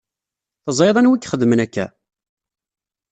Teẓriḍ anwa i ixedmen akka?